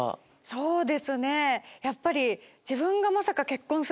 そうですねやっぱり。